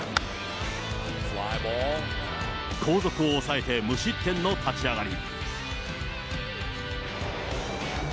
後続を抑えて無失点の立ち上がり。